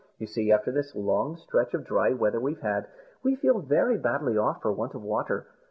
You see, after this long stretch of dry weather we've had, we feel very badly off for want of water.